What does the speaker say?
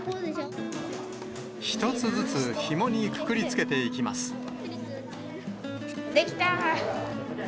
１つずつひもにくくりつけて出来た。